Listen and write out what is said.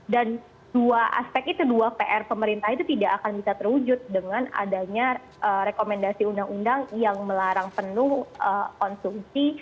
dan dua aspek itu dua pr pemerintah itu tidak akan bisa terwujud dengan adanya rekomendasi undang undang yang melarang penuh konsumsi